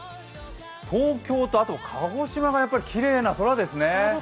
東京とあと鹿児島がきれいな空ですね。